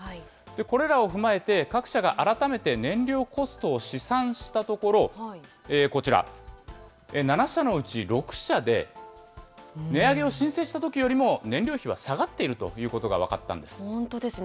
これらを踏まえて各社が改めて燃料コストを試算したところ、こちら、７社のうち６社で、値上げを申請したときよりも、燃料費は下がっているということが分かった本当ですね。